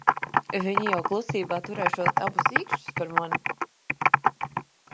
Viņa jau klusībā turēšot abus īkšķus par mani.